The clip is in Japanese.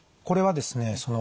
これはですね